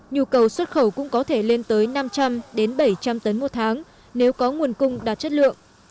nhu cầu xuất khẩu cũng có thể lên tới năm trăm linh bảy trăm linh tấn một tháng nếu có nguồn cung đạt chất lượng